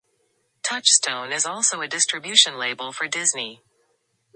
Touchstone is also a distribution label for Disney.